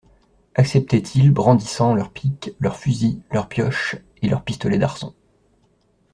Acceptaient-ils, brandissant leurs piques, leurs fusils, leurs pioches et leurs pistolets d'arçon.